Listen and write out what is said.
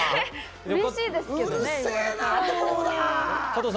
嬉しいですけどね。